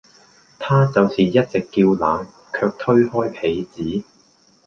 她就是一直叫冷卻推開被子